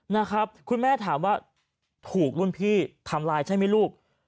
นะครับคุณแม่ถามว่าถูกรุ่นพี่ทำลายใช่ไหมลูก